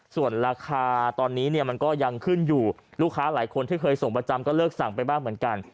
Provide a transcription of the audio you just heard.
ส่วนราคาตอนนี้เนี่ยมันก็ยังขึ้นอยู่ลูกค้าหลายคนที่เคยส่งประจำก็เลิกสั่งไปบ้างเหมือนกัน